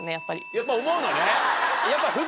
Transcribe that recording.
やっぱ思うのね。